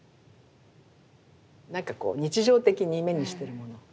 なんかこう日常的に目にしてるもの。